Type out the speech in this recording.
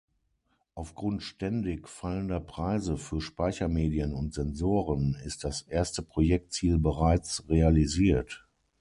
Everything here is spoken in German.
Aufgrund ständig fallender Preise für Speichermedien und Sensoren ist das erste Projektziel bereits realisiert.